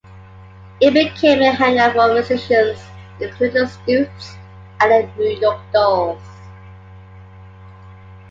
It became a hangout for musicians, including The Stooges and the New York Dolls.